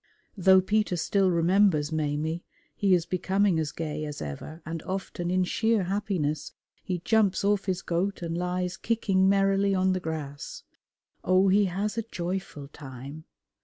Though Peter still remembers Maimie he is become as gay as ever, and often in sheer happiness he jumps off his goat and lies kicking merrily on the grass. Oh, he has a joyful time!